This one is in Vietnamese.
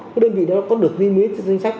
cái đơn vị đó có được liên mế trên danh sách